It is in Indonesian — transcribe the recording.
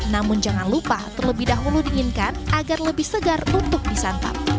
namun jangan lupa terlebih dahulu dinginkan agar lebih segar untuk disantap